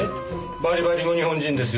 バリバリの日本人ですよ。